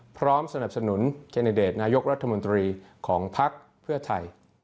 พร้อมสนับสนุนแคนดิเดตนายกรัฐมนตรีของภักดิ์เพื่อไทย